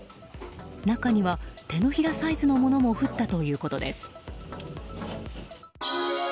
中には手のひらサイズのものも降ったということです。